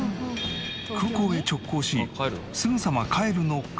空港へ直行しすぐさま帰るのかと思いきや。